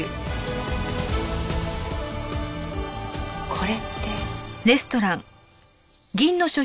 これって。